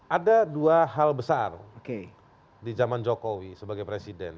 ada dua hal besar di zaman jokowi sebagai presiden